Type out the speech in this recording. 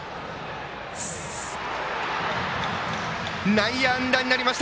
内野安打になりました